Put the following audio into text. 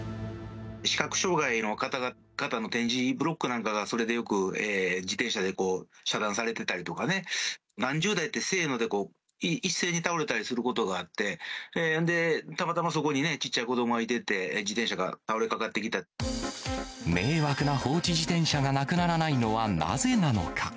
視覚障害の方々の点字ブロックなんかが、それでよく自転車で遮断されてたりとかね、何十台って、せーので一斉に倒れたりすることがあって、たまたまそこに小っちゃい子どもがいてて、自転車が倒れかかって迷惑な放置自転車がなくならないのはなぜなのか。